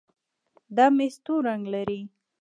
دا ميز تور رنګ لري.